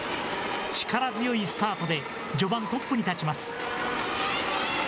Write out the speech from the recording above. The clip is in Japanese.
力強いスタートで、序盤、トップに立ちます。